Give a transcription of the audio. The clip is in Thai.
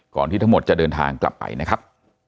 ที่ทั้งหมดจะเดินทางกลับไปนะครับ